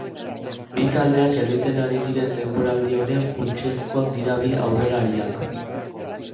Bi taldeak egiten ari diren denboraldi onean funtsezkoak dira bi aurrelariak.